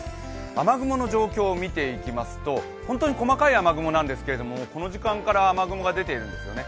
雨雲の状況見ていきますと本当に細かい雨雲なんですけれども、この時間から雨雲が出ているんですよね。